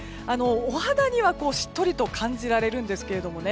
お肌にはしっとりと感じられるんですけれどもね。